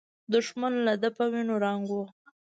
دښمن له ده په وینو رنګ و.